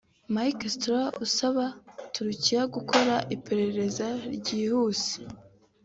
Mark Stroh usaba Turukiya gukora iperereza ryihuse